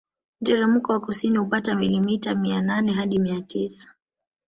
Mteremko wa kusini hupata milimita mia nane hadi mia tisa